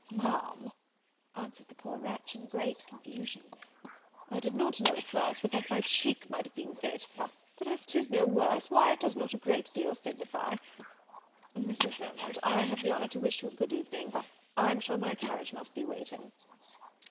"Ma'am," answered the poor wretch, in great confusion, "I did not know at first but that my cheek might have been bit; but as 'tis no worse, why, it does not a great deal signify. Mrs. Beaumont, I have the honour to wish you a good evening; I'm sure my carriage must be waiting."